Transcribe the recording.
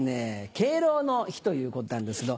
敬老の日ということなんですけど。